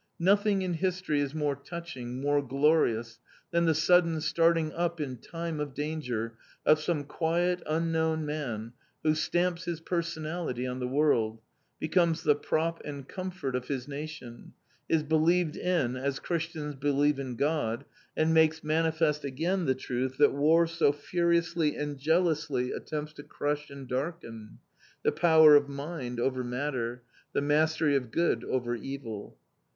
Nothing in history is more touching, more glorious, than the sudden starting up in time of danger of some quiet unknown man who stamps his personality on the world, becomes the prop and comfort of his nation, is believed in as Christians believe in God, and makes manifest again the truth that War so furiously and jealously attempts to crush and darken the power of mind over matter, the mastery of good over evil.